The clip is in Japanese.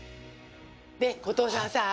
で後藤さんさあ